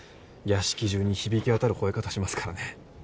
屋敷中に響き渡る吠え方しますからね。